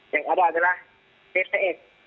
yang ada adalah tps